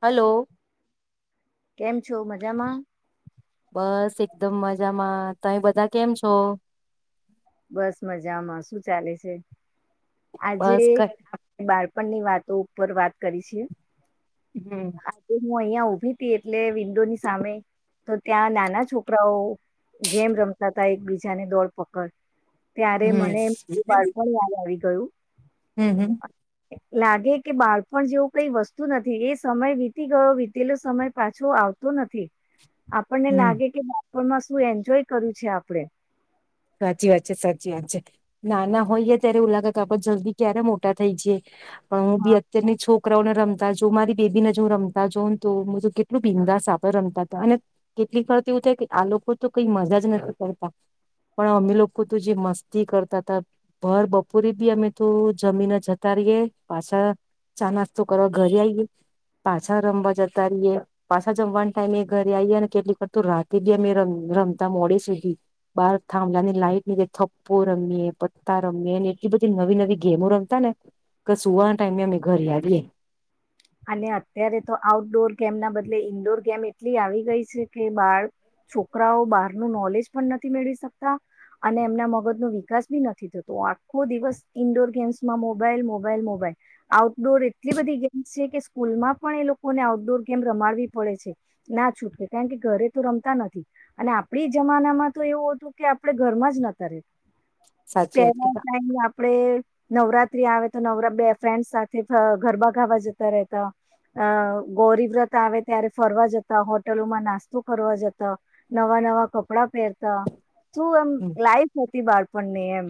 Hello. કેમ છો મજામાં. બસ એકદમ મજામાં તમે બધા કેમ છો. બસ મજામાં શું ચાલે છે. આજે બસ ક બાર. આપની વાતો ઉપર વાત કરી છે. હમ. આજે હું અહિયાં ઉભી એટલે વિન્ડોની સામે તો ત્યાં નાના છોકરાઓ ગેમ રમતા હતા એક બીજાને દોડ પકડ. ત્યારે હમ મને એમું બાળપણ યાદ આવી. [inaudible] હમ હમ. લાગે કે બાળપણ જેવું કઈ વસ્તુ નથી એ સમય વીતી ગયો વીતેલો સમય પાછો આવતો નથી. આપણને હમ લાગે કે. માં શું એન્જોય કર્યું છે આપડણે. સાચી વાત છે સાચી વાત છે ના ના હોઈ ગાય ત્યારે એવું લાગે આપ જલ્દી ક્યારે મોટા થઈ જે. પણ હું બી અત્યારની છોકરી. છોકરાઓને રમતા જો મારી બેબીને જો રમતા જોઉ ને તો હ કેટલું ભીનદાસ આપડ રમતા હતા અને કેટલી ફરથી એવું થાય કે આ લોકો તો કઈ મજા જ નથી કરતા. પણ અમે લોકો જે મસ્તી કરતા હતા ઘર બપોરે બી અમે તો જમીને જતા રહીએ પાછા ચા નાસ્તો કરવા ઘરે આવીઈએ પાછા રમવા જતા રહીએ પાછા જમવાના ટાઈમે એ ઘરે આવીએ ને કેટલી કરત રાતે બી અમે રમતા મોડી સુધી બાર. થાંભળલા ની લાઈટ ની જે થપ્પો રમીએ પત્તા રમીએ એટલી બધી નવી નવી ગેમો રમતા ને કે સુવાના ટાઈમે અમે ઘરે આવીએ. અને અત્યારે તો આઉટડોર ગેમ ના બદલે ઈન્ડોર ગેમ એટલી આવી ગઈ છે કે બાળ છોકરાઓ બહાર ન નોલેજ પણ નથી મેળવી શકતા અને એમના મગજ નો વિકાસ બી નથી થતો આખો દિવસ ઈન્ડોર ગેમ્સમાં મોબાઈલ મોબાઈલ મોબાઈલ આઉટડોર એટલી બધી ગેમ. છે કે સ્કૂલમાં પણ એ લોકોને આઉટડોર ગેમ રમાડવી પડે છે ના છૂટકે કારણ કે ઘરે તો રમતા નથી અને આપડી જમાનામાં તો એવું હતું કે આપણે ઘરમાં જ નતા ર. સાચી પલા વાત સાઈજ આપડે. નવરાત્રી આવે તો નવરા બે ફ્રેન્ડ સાથે ગરબા ગાવા જતા. તા અ ગૌરી વ્રત આવે ત્યારે ફરવા જતા હોટલોમાં નાસ્તો ફરવા જતા નવા નવા કપડા પહેરતા. તું એમ લાઈફ. બાળપણ ને એમ.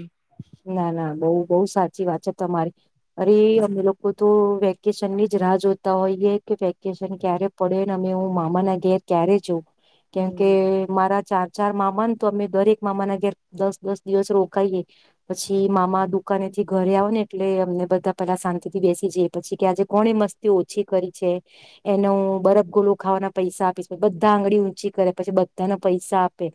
ના ના બહુ બઉ સાચું. સાચી વાત છે તમારી અરે અમે લોકો તો વેકેશન ની જ રાહ જોતા હોઈએ કે વેકેશન ક્યારે પડે ને અમે હું મામાના ઘેર ક્યારે જોઉ. કેમકે હમ મારા ચાર. ચાર મામા ને તો અમે દરેક મામાના ઘેર દસ દસ દિવસ રોકાઈએ. પછી મામા દુકાનેથી ઘરે આવ ને એટલે અમને બધા પેલા શાંતિ થી બેસી જઈ પછી કે આજે કોણે મસ્તી ઓછી કરી છે એનો બરફ ગોલો ખાવાના પૈસા આપીશ બધા આંગળી ઊંચી કરે પછી બધાને પૈસા આપે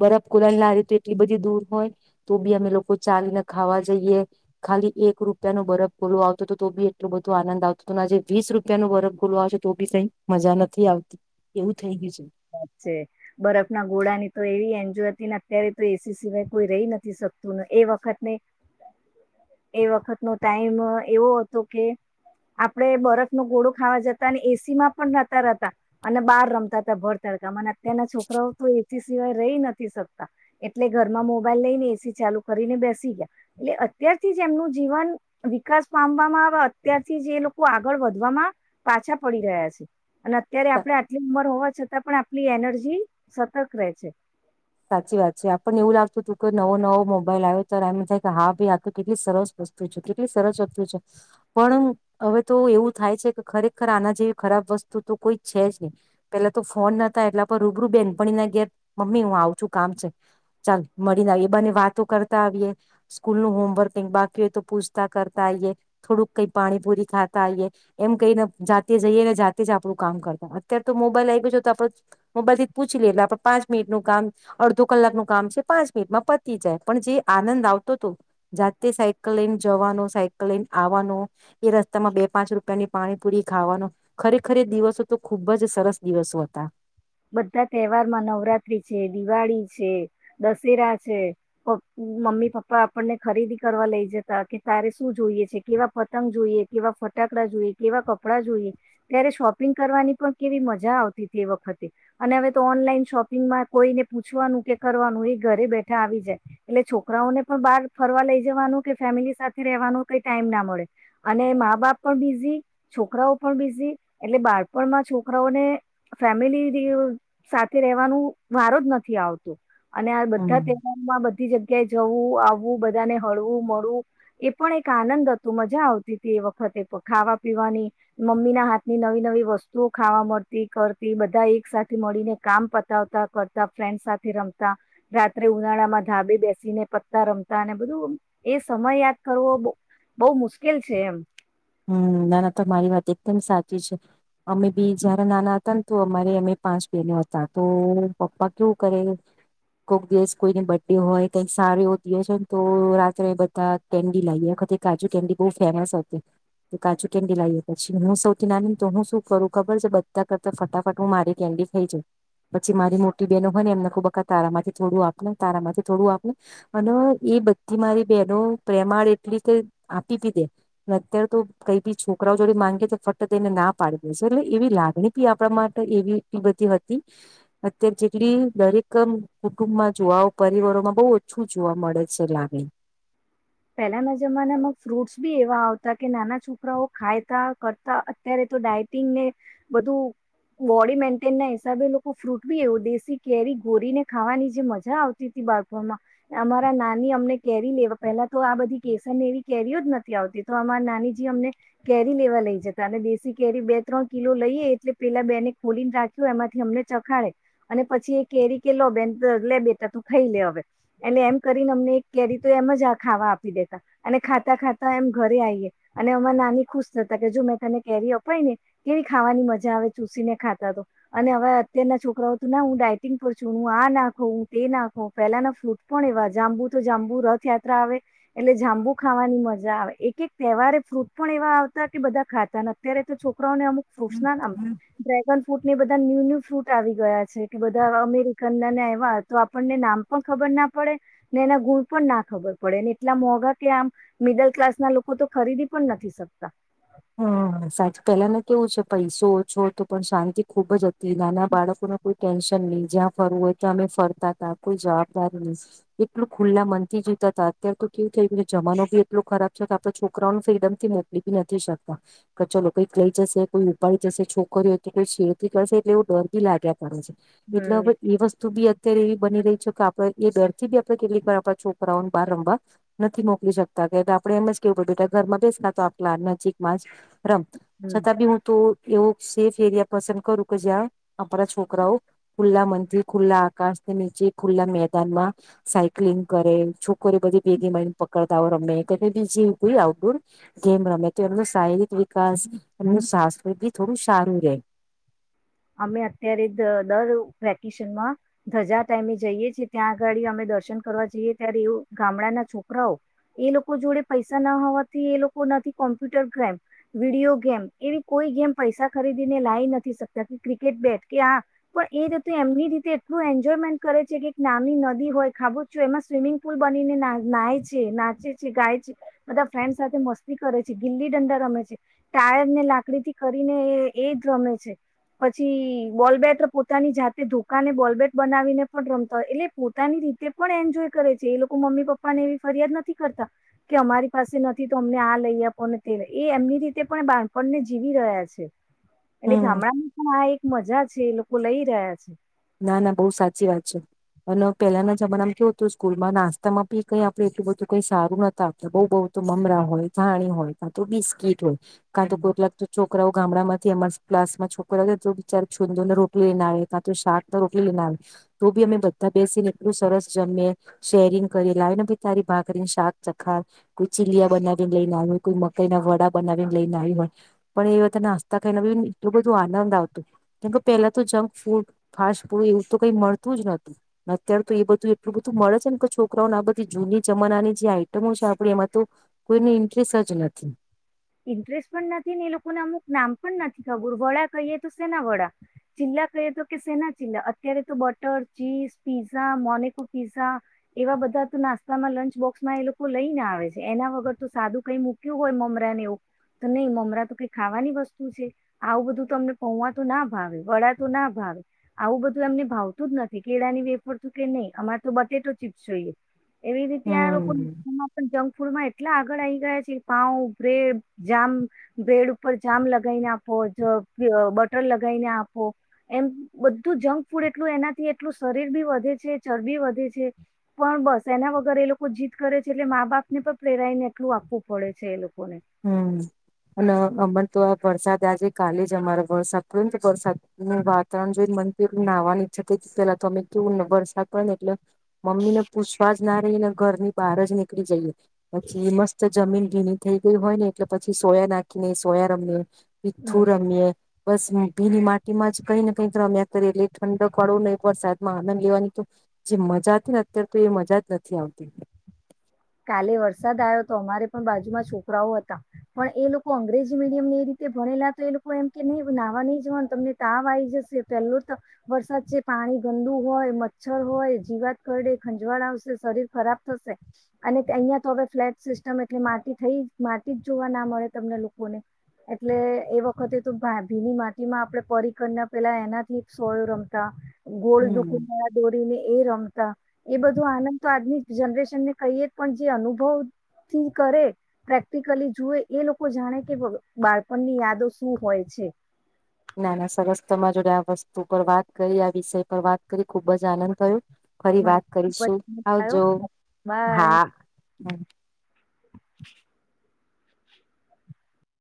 બરફ ગોલા ને લાવે તો એટલી બધી દૂર હોય તો બી અમે લોકો. ચાલીને ખાવા જઈએ ખાલી એક રૂપિયા ન બરફ ગોલું આવતો હતો તો બી એટલો બધો આનંદ આવતો હતો આજે વીસ રૂપિયા નું બરફ ગોલું આવશે તો બી કઈ મજા નથી આવતી એવું થઇ ગયું છે. સાચે બરફ ના ગોડાની તો એવી એન્જોય [unintelligible] અત્યારે તો એ સી સિવાય કોઈ રહી નથી શકતુંને એ વખતને એ વખત નો ટાઈમ એવો હતો કે આપડે બરફ નો ગોળો ખાવા જતા અને એ સી માં પણ રહેતા રહેતા અને બહાર રમતા હતા ભર તડકામાં અત્યારના છોકરાઓ તો એ સી સિવાય રહી નથી શકતા. એટલે ઘરમાં મોબાઈલ લઈને એ સી ચાલુ કરીને બેસી ગયા એટલે અત્યારથી જ એમનું જીવન વિકાસ પામવામાં અત્યારથી એ લોકો આગળ વધવામાં પાછા પડી રહ્યા છે. અને અત્યારે છે આપડ આટલી ઉંમર હોવા છતાં પણ આપલી એનર્જી સતર્ક રહે છે. સાચી વાત છે આપણને એવું લાગતું હતું કે નવો નવો મોબાઈલ આવ્યો ત એમ થાય કે હા ભાઈ આ તો કેટલી સરસ વસ્તુ છે કેટલી સરસ વસ્તુ છે પણ હવે તો એવું થાય છે કે ખરેખર આના જેવી ખરાબ વસ્તુ તો કોઈ છે જ નહી પેલા તો ફોન નતા એટલા પર રૂબરૂ બેનપણી ના ઘેર મમ્મી હું આવ. ચૂ કામ છે ચાલ મળીને આવીએ બને વાતો કરતા આવીએ સ્કૂલ નું હોમવર્ક બાકી હોય તો પૂછતા કરતા આવીઈએ થોડુંક કઈ પાણીપુરી ખાતા આવીઈએ એમ કઈને જાતે જઈએ ને જાતે જ આપણું કામ કરતા અત્યારે તો મોબાઈલ આવી ગયો છે તો આપડ મોબાઈલ થી જ પૂછી લઈએ એટલે આપણે પાંચ મિનિટનું કામ અડધો કલાકનું કામ છે પાંચ મિનિટમાં પતી જાય પણ જે આનંદ આવતો હતો જાતે સાયકલ લઈને જવાનો સાયકલ લઈને આવવાનો એ રસ્તામાં બે પાંચ રૂપિયાની પાણીપુરી ખાવાનો ખરેખર દિવસો તો ખુબ જ સરસ દિવસો હતા. બધા તહેવારમાં નવરાત્રી છે, દિવાળી છે, દશેરા છે મમ્મી પપ્પા આપણને ખરીદી કરવા લઈ જતા કે તારે શું જોઈએ છે કેવા પતંગ જોઈએ કેવા ફટાકડા જોઈએ કેવા કપડાં જોઈએ ત્યારે શોપિંગ કરવાની પણ કેવી મજા આવતી હતી એ વખતે. તે અને હવે તો ઓનલાઈન શોપિંગમાં કોઈને પૂછવાનું કે કરવાનું એ ઘરે બેઠા આવી જાય એટલે છોકરાઓને પણ બાર ફરવા લઈ જવાનું કે ફેમિલી સાથે રેવાનું કઈ ટાઈમ ના મળે અને મા બાપ પણ બિઝી છોકરાઓ પણ બિઝી એટલે બાળપણમાં છોકરાઓને ફેમિલી થી સાથે રવાનું વારો જ નથી આવતો. અને આ બધા હમ તહેવારો માં બધી જગ્યાએ જવું આવવું બધાને હળવું મળવું એ પણ એક આનંદ હતો મજા આવતી હતી એ વખતે ખાવા પીવાની મમ્મી ના હાથની નવી નવી વસ્તુઓ ખાવા મળતી કરતી બધા એક એક સાથે મળીને કામ પતાવતા કરતા ફ્રેન્ડ સાથે રમતા રાત્રે ઉનાળા માં ધાબે બેસીને પત્તા રમતા અને બધું એ સમય યાદ કરવો બહુ મુશ્કેલ છે એમ. હમ્મ નાના તો મારી વાત એકદમ સાચી છે અમે બી જારે નાના હતા ને તો અમારે અમે પાંચ બેહેનો હતા તો પપ્પા કેવું કરે કોક દિવસ કોઈને બર્ડે હોય કઈક સારો એવો દિવસે ને તો રાત્રે બધા કેન્ડી લાવએ આખતે કાજુ કેન્ડી બહુ ફેમસ હતી. કાચું કેન્ડી લએ પછી હું સૌથી નાની તો હું શું કરું ખબર છે બધા કરતા ફટાફટ હું મારી કેન્ડી ખાઈ જાઉં પછી મારી મોટી બહેનો હોય ને એમને ખબ તારા માંથી થોડું આપણે તારા માંથી થોડું આપણે અને એ બધી મારી બહેનો પ્રેમાળ એટલી કે આપી બી દે. અત્યારે તો કઈ બી છોકરાઓ જોડે માંગે તો ફટત એને ના પાડી દે છે એટલે એવી લાગણી બી આપણા માટે એવી એટલી બધી હતી અત્યારે જેટલી દરેક કુટુંબમાં જોવાઓ પરિવારોમાં બહુ ઓછું જોવા મળે છે લાગણી. પહેલાના જમાનામાં ફ્રૂટ્સ બી એવા આવતા કે નાના છોકરાઓ ખાયતા કરતા અત્યારે તો ડાયટિંગ ને બધું બોડી મેન્ટેન ના હિસાબે લોકો ફ્રૂટ બી એવું દેશી કેરી ઘોરીને ખાવાની જે મજા આવતી હતી બાળપણમાં અમારા નાની અમને કેરી લેવા પહેલા તો આ બધી કેસર એવી કેરીઓ જ નથી આવતી તો અમાર નાનીજી અમને કેરી લેવા લઈ જતા અને દેશ કેરી બે ત્રણ કિલો લઈએ એટલે પેલા બેને ખોલીને રાખ્યું એમાંથી અમને ચખાડે અને પછી એ કેરી કે લો બેન લે બેટ તો ખાઈ લે હવે એટલે એમ કરીને અમને એક કેરી તો એમ જ આ ખાવા આપી દેતા અને ખાતા ખાતા એમ ઘરે આવીઈએ અને અમારા નાની ખુશ થતા કે જો મેં તને કેરી અપાઈ ને કેવી ખાવાની મજા આવે ચૂસીને ખાતા તો અને હવે અત્યારના છોકરાઓ તો ના હું ડાયટિંગ પર છું આ નાખો હું તે નાખું પેલાના ફૂટ પણ એવા જાંબુ તો જાંબુ રથયા ત્રા આવે એટલે જાંબુ ખાવાની મજા આવે એક એક તહેવારે ફ્રૂટ પણ એવા આવતા કે બધા ખાતા. ને અત્યારે તો છોક કરાઓને અમુક ફૂટ નામ ડ્રેગન ફ્રૂટ ની બધી ન્યૂ ન્યુ ફ્રૂટ આવી ગયા છે કે બધા અમેરિકન ના એવા તો આપણને નામ પણ ખબર ના પડે ને એના ગુણ પણ ના ખબર પડે. ને એટલા મોંઘા કે આમ મિડલ ક્લાસ ના લોકો તો ખરીદી પણ નથી શકતા. હમ સાચ પેલા કેવું છે પૈસો ઓ છો તો પણ શાંતિ ખુબ જ કે નાના બાળકોને કોઈ ટેન્શન નહી જ્યાં ફરવું હોય ત્યાં અમે ફરતા તા કોઈ જવાબદારી નહી એટલું ખુલ્લા મનથી જીતા હતા અત્યારે તો કેવું થય જમાનો બી એટલો ખરાબ છે કે આપડ છોકરાઓને ફ્રીડમ થી મોકલી બી નથી શક તા. કચો કઈક લઈ જશે કોઈ ઉપાડી જશે છોકરીઓય તો કોઈ છેડતી કરશે એટલે એવું ડર થી લાગે. કરે છે એટલે હમ હવે એ વસ્તુ બી અત્યારે એવી બની રહી છે કે આપડણે એ બેર થી બી આપણે કેટલીક વાર આપડા છોકરાઓને બહાર રમવા નથી મોકલી શકતા કે આપડણે એમ જ કેવું પ બેટા ઘરમાં બેસ ના તો આપલા નજીક માજ રમ હમ છતાં બી હું તો એવું સેફ એરિયા પસંદ કરું કે જ્યાં આપણા છોકરાઓ ખુલ્લા મનથી ખુલ્લા આકાશને નીચે ખુલ્લા મેદાનમાં સાયકલિંગ કરે છોકરે બધી ભેગી માને પકડતા રમે કે બીજી કોઈ આઉટડોર ગેમ રમે. તેમનો શારીરિક વિકાસ એનું શાસ્ત્ર બી થોડું સારું રહે. અમે અત્યારે દર વેકેશનમાં ધજા ટાઈમે જઈએ છીએ ત્યાં આગાળ અમે દર્શન કરવા જઈએ ત્યારે એવ ગામડાના છોકરાઓ એ લોકો જોડે પૈસા ના હોવાથી એ લોકો નથી કોમ્પ્યુટર ગેમ વિડીયો ગેમ એવી કોઈ ગેમ પૈસા ખરીદીને લાવી નથી શક [unintelligible] ક્રિકેટ બાગ કે આ પણ એજેતે એમની રીતે એટલું એન્જોયમેન્ટ કરે છે કે એક નાની નદી હોય ખાબું ચૂ એમાં સ્વિમિંગ પુલ બનીને ના છે નાચે છે ગાય છે બધા ફ્રેન્ડ સાથે મસ્તી કરે છે ગીલી દંડા રમે છે ટાયર ને લાકડીથી કરીને એ જ રમે છે. પછી બોલ બેટ પોતાની જાતે ધોકાને બોલ બેટ બનાવીને પણ રમતા હોય એટલે પોતાની રીતે પણ એન્જોય કરે છે એ લોકો મમ્મી પપ્પા ને એવી ફરિયાદ નથી કરતા કે અમારી પાસે નથી તો અમને આ લઈ આપોને તે એ એમની રીતે પણ બાળપણને જીવી રહ્યા છે. એટલે હમ ગામડામા આ એક મજા છે એ લોકો લઈ રહ્યા છે. ના ના બહુ સાચી વાત છે અને પેલાના જમાનામાં કેવુ હતું સ્કૂલમાં નાસ્તામાં બી કઈ આપડે એટલું બધું કઈ સારું નતા આપત બઉુ બઉ તો મમરા હોય ધાણી હોય કા તો બિસ્કીટ હોય. કાતો કોક લાકતુ છોકરાઓ ગામડામાં ક્લાસમાં છોકરા તો બિચાર છૂોને રોટલીઈને આવે ત્યાં તો શાક રોટલીઈને આવી તો બી અમે બધા બેસીને એટલું સરસ જમે શેરિંગ કરી લાવીને ભી તારી ભાકરીને શાક ચખા કોઈ ચીલીયા બનાવીને લઈને આવી હોય કોઈ મકઈ ના વડા બનાવીને લઈને આવ હોય પણ એ વાતે નાસ્તા ખાઈને બી એટલું બધું આનંદ આવતો કેમકે પેલા તો જંક ફૂડ ફાસ્ટ ફૂડ એવું તો કઈ મળતું જ નતું અત્યારે તો એ બધું એટલું બધું મળે છે ને કે છોકરાઓને આ બધી જૂની જમાનાની જે આઈટમો છે આપણે એમાં તો કોઈને ઇન્ટરેસ્ટ જ નથી. ઇન્ટરેસ્ટ પણ નથી ને એ લોકોને અમુક નામ પણ નથી ખબર વડા કહીએ તો સેના વડા ચિલ્લા કહીએ તો કે સેના ચીલ્લા અત્યારે તો બટર ચીઝ પીઝા મોનેકો પીઝા એવા બધા તો નાસ્તામાં લંચ બોક્સમાં એ લોકો લઈ ને આવે છે એના વગર તો સાદું કઈ મૂક્યું હોય મમરાને એ. તો નહીં મમરા તો કઈ ખાવાની વસ્તુ છે આવું બધું અમને પૌવા તો ના ભાવે વડા તો ના ભાવે આવું બધું એમને ભાવતું જ નથી કેળાની વેફરતું કે નહી અમારે તો બટેટો ચીપ્સ જોઈએ. એવી રીતે આ લોકો હમ ફૂડમાં એટલા આગળ આવી ગયા છે પાઉ બ્રેડ જામ બે્રેડ ઉપર જામ લગાવને આપો બટર લગીને આપો એમ બધું જંક ફૂડ એટલું એનાથી એટલું શરીર બી વધે છે ચરબી વધે છે પણ બસ એના વગર એ લોકો જીત કરે છે એટલે મા બાપને પણ પ્રેરાયણ એટલું આપવું પડે છે એ લોકોને હમ અને અમને તો આ વરસાદ આજે કાલે જ અમારે વરસાદ પડ્યો ને તો વરસાદ નું વાતાવરણ જોઈને મંદિર નાહવાનીઈચ્છ થતી હતી પેલા તો અમે કેવું ને વરસાદ પડે ને એટલે મમ્મી ને પૂછવા જ ના રહી ને ઘરની બહાર જ નીકળી જઈએ. પછી એ મસ્ત જમીન જેથી હોય ને એટલે પછી સોયા નાખીને સોયા રમીને. મીથું હમ રમીએે બસ મ ભી ની માટીમાં જ કઈ ને કઈ અમે અત્યારે એટલે ઠંડક પડો નહીં વરસાદ માં આનંદ લેવાની તો જે મજા હતી ને અત્યારે તો એ મજા જ નથી આવતી. કાલે વરસાદ આવ્યો તો અમારે પણ બાજુમાં છોકરાઓ હતા પણ એ લોકો અંગ્રેજી મીડિયમને એ રીતે ભણેલા તો એ લોકો એમ કે નહી નાહવા નહી જવાનું તમને તાવ આવીઈ જશે પેલો તો વરસાદ છે પાણી ગંદુ હોય મચ્છર હોય જીવાત કરડે ખંજવાળ આવશે શરીર ખરાબ થશે અને અહિયાં તો હવે ફ્લેટ સિસ્ટમ એટલે માટી થઈ માટી જ જોવા ના મળે તમને લોકોને એટલે એ વખતે તો ભીની માટીમાં આપડણે પરી કરીના પેલા એનાથી સોળ રમતા ગોળ દુકુ હમ દોરીને.. એ રમતા એ બધું આનંદ તો આજની જનરેશન ને કહીએ પણ જે અનુભવથી કરે પ્રેક્ટિકલી જોવે એ લોકો જાણે કે બાળપણની યાદો શું હોય છે. ના ના સરસ તમામાં જોડે આ વસ્તુ પર વાત કરી આ વિષય પર વાત કરી ખુબ જ આનંદ ગયો. ફરી મને વાત કરીશું આવજ બાય હા. [inaudible]